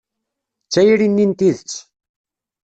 D tayri-nni n tidet.